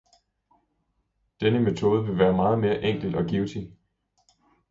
Denne metode ville være meget mere enkel og givtig.